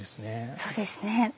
そうですね。